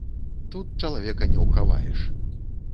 Тут чалавека не ўхаваеш.